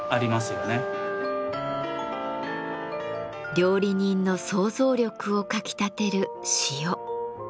料理人の創造力をかきたてる塩。